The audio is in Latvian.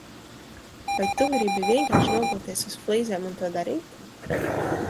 Vai tu gribi vienkārši nogulties uz flīzēm un to darīt?